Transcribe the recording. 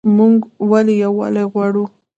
موږ ولې یووالی غواړو؟